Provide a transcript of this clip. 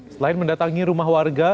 selain mendatangi rumah warga